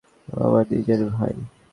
ও আমার নিজের ভাই!